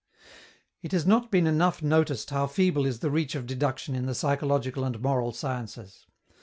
It has not been enough noticed how feeble is the reach of deduction in the psychological and moral sciences.